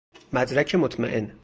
مدرک مطمئن